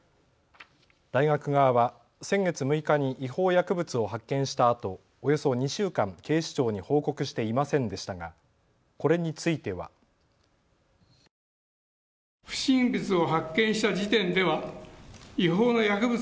大学側は先月６日に違法薬物を発見したあとおよそ２週間、警視庁に報告していませんでしたがこれについては。さらに新たな事実も。